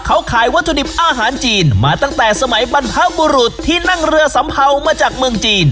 เขาขายวัตถุดิบอาหารจีนมาตั้งแต่สมัยบรรพบุรุษที่นั่งเรือสัมเภามาจากเมืองจีน